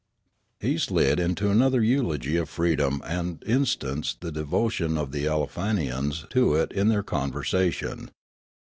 He slid into another eulogy of freedom and instanced the devotion of the Aleofanians to it in their conversa tion.